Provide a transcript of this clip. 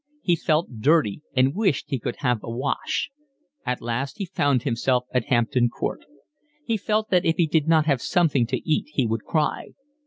He felt dirty and wished he could have a wash. At last he found himself at Hampton Court. He felt that if he did not have something to eat he would cry.